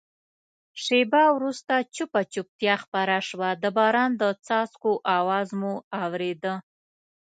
شېبه وروسته چوپه چوپتیا خپره شوه، د باران د څاڅکو آواز مو اورېده.